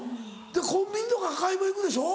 コンビニとか買い物行くでしょ？